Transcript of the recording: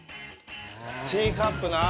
ティーカップな。